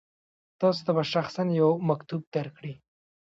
تاسو ته به شخصا یو مکتوب درکړي.